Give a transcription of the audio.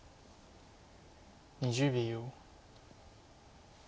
２０秒。